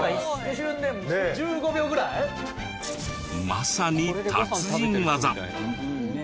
まさに達人技。